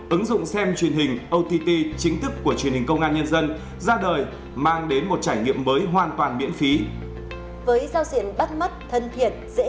ứng dụng xem truyền hình trực tuyến trên nền tảng ios android và smart tv